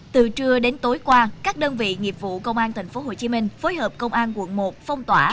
từ trưa đến tối qua các đơn vị nghiệp vụ công an tp hcm phối hợp công an quận một phong tỏa